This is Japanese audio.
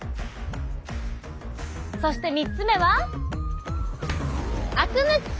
そして３つ目は「あく抜き」。